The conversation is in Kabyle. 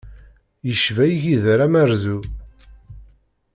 Yecba igider amerẓu.